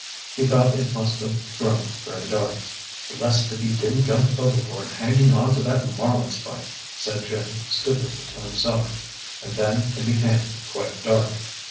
He thought it must have grown very dark. "Blest if he didn't jump overboard hanging on to that marlinespike!" said Jim stupidly to himself. And then it became quite dark.